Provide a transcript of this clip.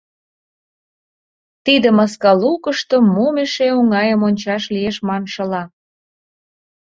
Тиде маскалукышто мом эше оҥайым ончаш лиеш маншыла.